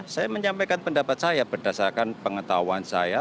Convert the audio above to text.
saya menyampaikan pendapat saya berdasarkan pengetahuan saya